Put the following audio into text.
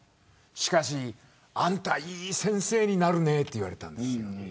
しかし、あんたいい先生になるねって言われたんです。